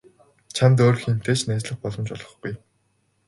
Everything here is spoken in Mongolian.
Чамд өөр хэнтэй ч найзлах боломж олгохгүй.